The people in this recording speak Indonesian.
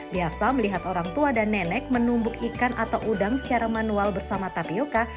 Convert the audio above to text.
biasa melihat orang tua dan nenek menumbuk ikan atau udang secara manual bersama tapioca